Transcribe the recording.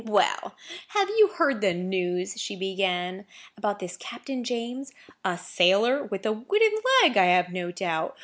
"Well, have you heard the news," she began, "about this Captain James? A sailor,—with a wooden leg, I have no doubt.